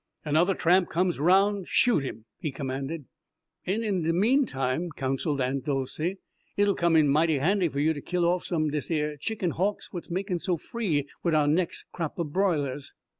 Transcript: "Another tramp comes round, shoot him," he commanded. "En in de meantime," counselled Aunt Dolcey, "it'll come in mighty handy fer you to kill off some deseyer chicken hawks what makin' so free wid our nex' crap br'ilers."